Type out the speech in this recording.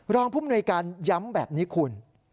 รองพุ่มนวยการย้ำแบบนี้คุณ